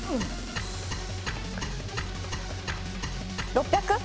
６００？